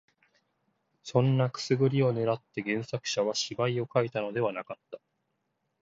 そんなくすぐりを狙って原作者は芝居を書いたのではなかった